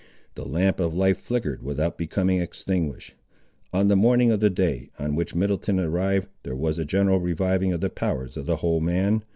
The lamp of life flickered without becoming extinguished. On the morning of the day, on which Middleton arrived, there was a general reviving of the powers of the whole man.